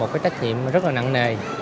cái trách nhiệm rất là nặng nề